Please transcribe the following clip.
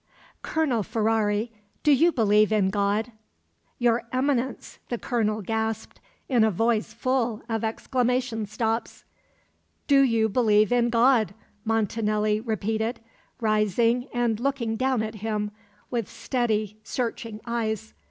"Colonel Ferrari, do you believe in God?" "Your Eminence!" the colonel gasped in a voice full of exclamation stops. "Do you believe in God?" Montanelli repeated, rising and looking down at him with steady, searching eyes.